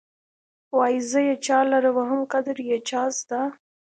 وايې زه یې چا لره وهم قدر يې چا زده.